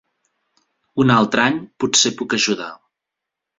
Un altre any, potser puc ajudar.